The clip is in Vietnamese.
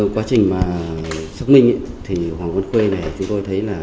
quá trình mà xác minh thì hoàng văn khuê này chúng tôi thấy là